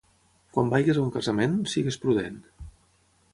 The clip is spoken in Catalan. Quan vagis a un casament, sigues prudent.